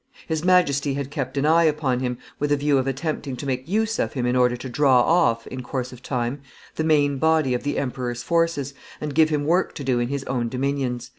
His Majesty had kept an eye upon him with a view of attempting to make use of him in order to draw off, in course of time, the main body of the emperor's forces, and give him work to do in his own dominions."